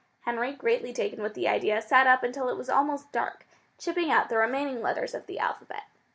Henry, greatly taken with the idea, sat up until it was almost dark, chipping out the remaining letters of the alphabet.